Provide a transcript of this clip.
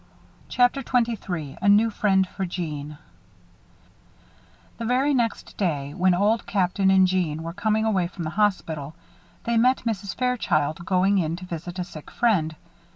CHAPTER XXIII A NEW FRIEND FOR JEANNE The very next day, when Old Captain and Jeanne were coming away from the hospital, they met Mrs. Fairchild going in to visit a sick friend.